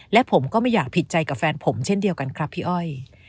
และผมก็ไม่อยากผิดใจกับแฟนผมเช่นเดียวกันครับพี่อ้อย